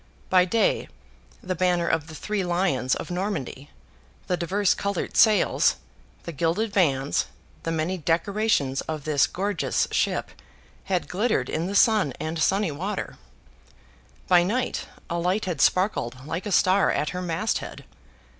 By day, the banner of the three Lions of Normandy, the diverse coloured sails, the gilded vanes, the many decorations of this gorgeous ship, had glittered in the sun and sunny water; by night, a light had sparkled like a star at her mast head.